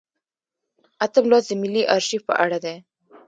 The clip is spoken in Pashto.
اتم لوست د ملي ارشیف په اړه دی.